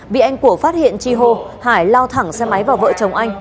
bị anh của phát hiện chi hô hải lao thẳng xe máy vào vợ chồng anh